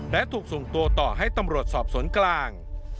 และถูกส่งตัวต่อให้ตำรวจสอบสวนกลาง